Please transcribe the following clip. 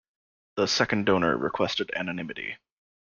The second donor requested anonymity.